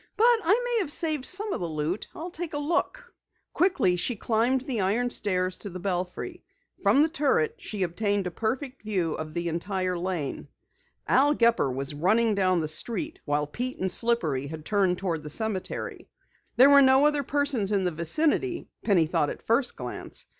"But I may have saved some of the loot. I'll take a look." Quickly she climbed the iron stairs to the belfry. From the turret she obtained a perfect view of the entire Lane. Al Gepper was running down the street, while Pete and Slippery had turned toward the cemetery. There were no other persons in the vicinity, Penny thought at first glance.